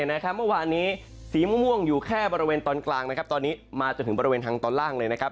เมื่อวานนี้สีม่วงอยู่แค่บริเวณตอนกลางนะครับตอนนี้มาจนถึงบริเวณทางตอนล่างเลยนะครับ